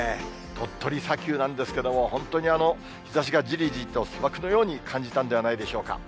鳥取砂丘なんですけども、本当に日ざしがじりじりと砂漠のように感じたのではないでしょうか。